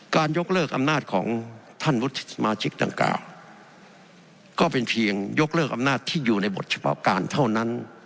ยกเลิกอำนาจของท่านวุฒิสมาชิกดังกล่าวก็เป็นเพียงยกเลิกอำนาจที่อยู่ในบทเฉพาะการเท่านั้น